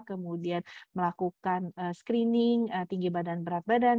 kemudian melakukan screening tinggi badan berat badan